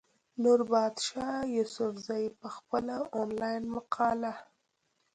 نوربادشاه يوسفزۍ پۀ خپله انلاين مقاله